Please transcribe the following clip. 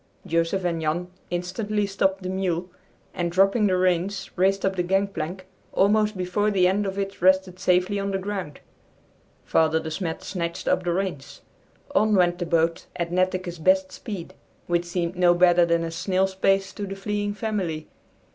Joseph and Jan instantly stopped the mule and, dropping the reins, raced up the gangplank, almost before the end of it rested safely on the ground. Father De Smet snatched up the reins. On went the boat at Netteke's best speed, which seemed no better than a snail's pace to the fleeing family.